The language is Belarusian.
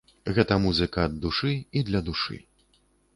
Гэта музыка ад душы і для душы.